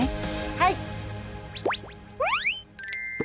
はい！